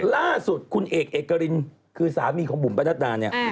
ล่าสุดคุณเอกเอกรินคือสามีของบุ๋มประนัดดาเนี่ย